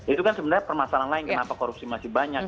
itu kan sebenarnya permasalahan lain kenapa korupsi masih banyak